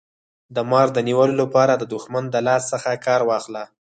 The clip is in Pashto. د مار د نیولو لپاره د دښمن د لاس څخه کار واخله.